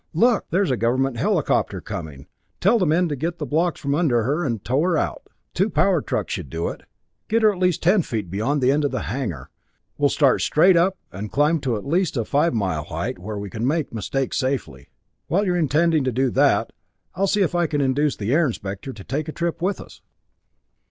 "Look, there's a government helicopter coming. Tell the men to get the blocks from under her and tow her out. Two power trucks should do it. Get her at least ten feet beyond the end of the hangar. We'll start straight up, and climb to at least a five mile height, where we can make mistakes safely. While you're tending to that, I'll see if I can induce the Air Inspector to take a trip with us."